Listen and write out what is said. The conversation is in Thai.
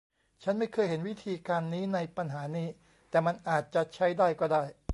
ฉันไม่เคยเห็นวิธีการนี้ในปัญหานี้ แต่มันอาจจะใช้ได้ก็ได้